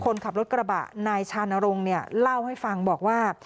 คนขับรถกระบะนายชานรงค์เนี่ยเล่าให้ฟังบอกว่า